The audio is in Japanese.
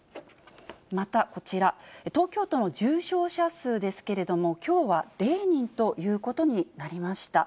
またこちら、東京都の重症者数ですけれども、きょうは０人ということになりました。